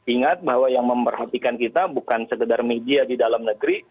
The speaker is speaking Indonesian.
ingat bahwa yang memperhatikan kita bukan sekedar media di dalam negeri